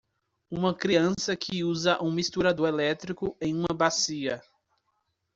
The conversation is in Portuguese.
Uma criança que usa um misturador elétrico em uma bacia.